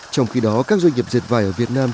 trong khi đó các doanh nghiệp diệt vải ở việt nam